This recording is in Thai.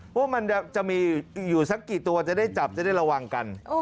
ว่ามันจะมีอยู่สักกี่ตัวจะได้จับจะได้ระวังกัน